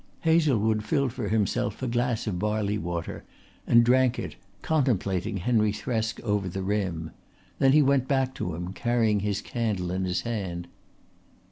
Hazlewood filled for himself a glass of barley water and drank it, contemplating Henry Thresk over the rim. Then he went back to him, carrying his candle in his hand.